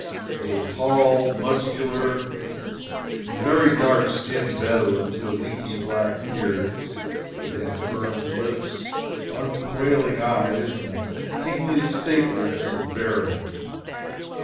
They were tall, muscular, and very dark skinned Bedouins, with inky black beards. They had firm lips, unquailing eyes, and a kingly stateliness of bearing.